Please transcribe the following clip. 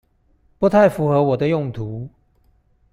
不太符合我的用途